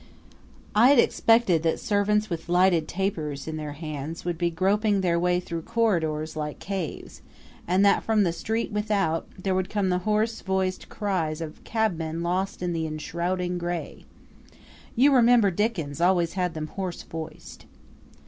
I had expected that servants with lighted tapers in their hands would be groping their way through corridors like caves, and that from the street without, would come the hoarse voiced cries of cabmen lost in the enshrouding gray. You remember Dickens always had them hoarse voiced.